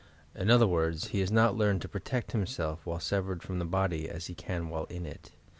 In other words, he has not learned to pro tect himself while severed from the body as he can while in it.